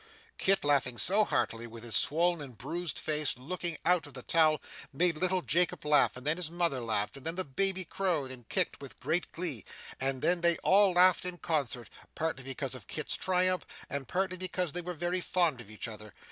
Kit laughing so heartily, with his swoln and bruised face looking out of the towel, made little Jacob laugh, and then his mother laughed, and then the baby crowed and kicked with great glee, and then they all laughed in concert: partly because of Kit's triumph, and partly because they were very fond of each other.